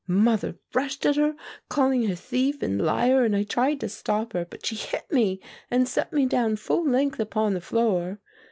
"Mother rushed at her, calling her thief and liar, and I tried to stop her, but she hit me and sent me down full length upon the floor.